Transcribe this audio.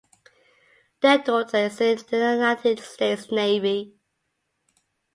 Their daughter is in the United States Navy.